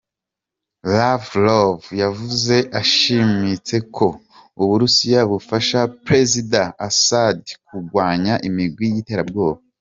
Lavrov yavuze ashimitse ko Uburusiya bufasha prezida Assad kugwanya “imigwi y’iterabwoba.